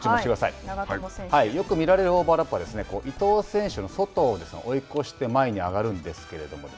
よく見られるオーバーラップは伊東選手の外を追い越して前に上がるんですけれども。